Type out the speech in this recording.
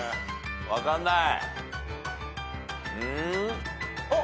分かんない？あっ！